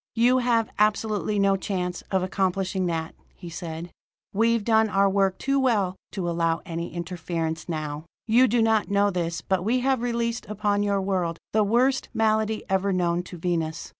"You have absolutely no chance of accomplishing that," he said. "We've done our work too well to allow any interference now. "You do not know this, but we have released upon your world the worst malady ever known to Venus.